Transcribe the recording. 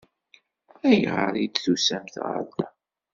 Ayɣer i d-tusamt ɣer da?